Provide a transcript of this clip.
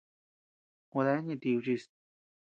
Gua deanu ñeʼe ti kuchis.